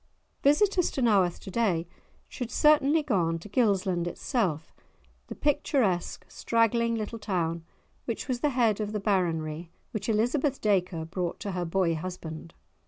Visitors to Naworth to day should certainly go on to Gilsland itself, the picturesque straggling little town, which was the head of the Baronry which Elizabeth Dacre brought to her boy husband.